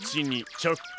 チャック。